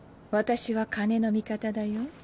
私は金の味方だよ。